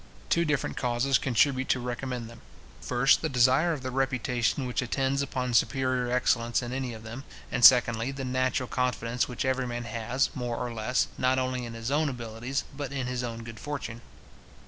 Two different causes contribute to recommend them. First, the desire of the reputation which attends upon superior excellence in any of them; and, secondly, the natural confidence which every man has, more or less, not only in his own abilities, but in his own good fortune.